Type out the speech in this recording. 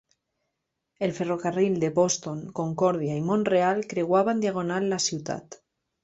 El ferrocarril de Boston, Concòrdia i Mont-real creuava en diagonal la ciutat.